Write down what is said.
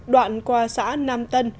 đoạn qua xã nam tân